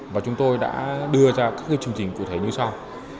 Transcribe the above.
và chúng tôi đã đưa ra các chương trình cụ thể như sau